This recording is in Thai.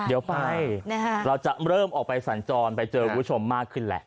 เดี๋ยวไปเราจะเริ่มออกไปสัญจรไปเจอคุณผู้ชมมากขึ้นแหละ